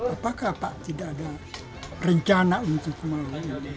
apakah pak tidak ada rencana untuk melakukan